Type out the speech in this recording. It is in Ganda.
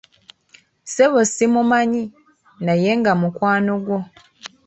Ssebo simumanyi, naye nga mukwano gwo.